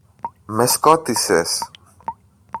Με σκότισες!